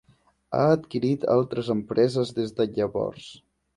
Ha adquirit altres empreses des de llavors.